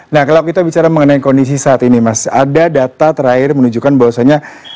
nah kalau kita bicara mengenai kondisi saat ini mas ada data terakhir menunjukkan bahwasannya